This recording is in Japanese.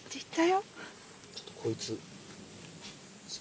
ちょっとこいつ。